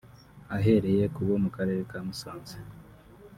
Ahereye ku bo mu Karere ka Musanze